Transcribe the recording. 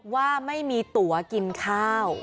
ว่าไม่มีตัวกินข้าว